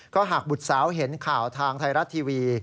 ก็หากบุตรสาวเห็นข่าวทางไทยรัฐทีวี